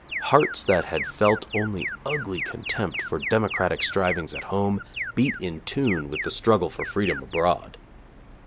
Hearts that had felt only ugly contempt for democratic strivings at home beat in tune with the struggle for freedom abroad.